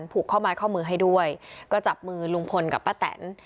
ผูกข้อไม้ข้อมือให้ด้วยก็จับมือลุงพลกับป้าแตน